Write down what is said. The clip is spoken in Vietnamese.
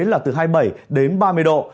là từ hai mươi bảy đến ba mươi độ